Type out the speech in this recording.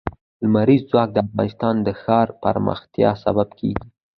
لمریز ځواک د افغانستان د ښاري پراختیا سبب کېږي.